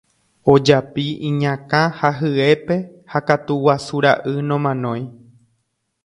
Ojapi iñakã ha hyépe ha katu guasu ra'y nomanói.